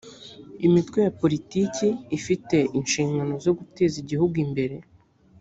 imitwe ya politiki ifite ishingano zo guteza igihugu imbere.